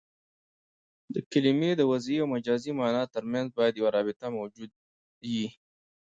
د کلمې د وضعي او مجازي مانا ترمنځ باید یوه رابطه موجوده يي.